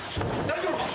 大丈夫か？